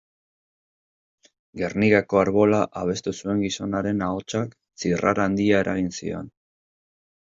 Gernikako Arbola abestu zuen gizonaren ahotsak zirrara handia eragin zion.